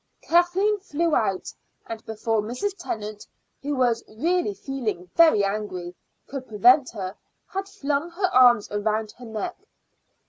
Kathleen flew out, and before Mrs. Tennant, who was really feeling very angry, could prevent her, had flung her arms round her neck.